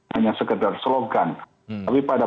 hanya sekedar slogan tapi pada